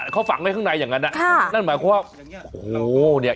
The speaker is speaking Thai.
เขาฝังไว้ข้างในอย่างนั้นนั่นหมายความว่าโอ้โหเนี่ย